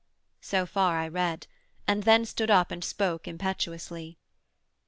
So far I read; And then stood up and spoke impetuously.